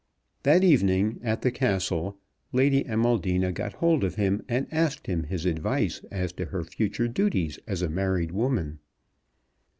That evening at the Castle Lady Amaldina got hold of him, and asked him his advice as to her future duties as a married woman.